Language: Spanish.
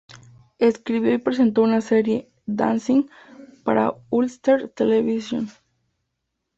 Escribió y presentó una serie, "Dancing", para Ulster Television.